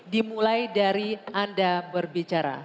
dimulai dari anda berbicara